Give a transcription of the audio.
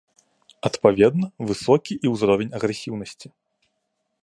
Адпаведна, высокі і ўзровень агрэсіўнасці.